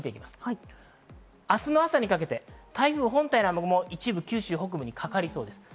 明日の朝にかけて台風本体の雨雲は一部、九州北部にかかりそうです。